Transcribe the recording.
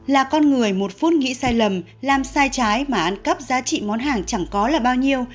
là con người một phút nghĩ sai lầm làm sai trái mà ăn cắp giá trị món hàng chẳng có là bao nhiêu